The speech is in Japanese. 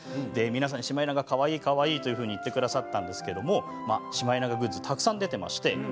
シマエナガかわいいかわいいと言ってくださったんですがグッズがたくさん出ています。